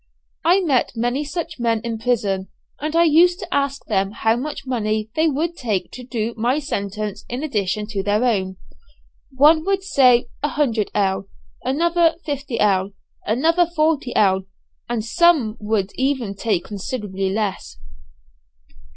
I met many such men in prison, and I used to ask them how much money they would take to do my sentence in addition to their own? One would say 100_l._, another, 50_l._, another 40_l._, and some would even take considerably less.